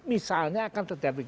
misalnya akan terjadi